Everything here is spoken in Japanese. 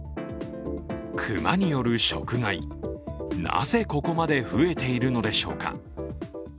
熊による食害、なぜここまで増えているのでしょうか。